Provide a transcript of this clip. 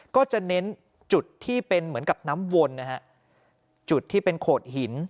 ก็จะเน้นจุดที่เป็นเหมือนกับน้ำวนนะฮะจุดที่เป็นโขดหิน